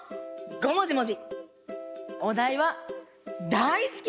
ごもじもじ。